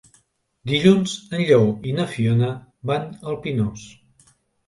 Dilluns en Lleó i na Fiona van al Pinós.